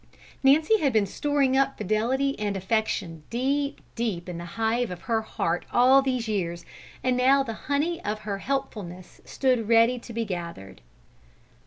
Nancy had been storing up fidelity and affection deep, deep in the hive of her heart all these years, and now the honey of her helpfulness stood ready to be gathered.